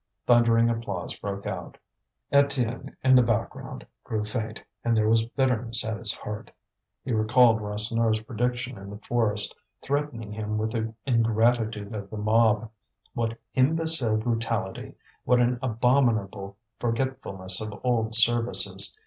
Thundering applause broke out. Étienne, in the background, grew faint, and there was bitterness at his heart. He recalled Rasseneur's prediction in the forest, threatening him with the ingratitude of the mob. What imbecile brutality! What an abominable forgetfulness of old services!